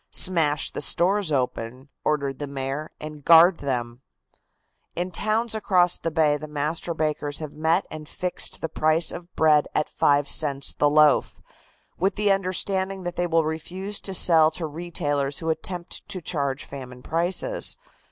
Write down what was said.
"Smash the stores open," ordered the Mayor, "and guard them." In towns across the bay the master bakers have met and fixed the price of bread at 5 cents the loaf, with the understanding that they will refuse to sell to retailers who attempt to charge famine prices.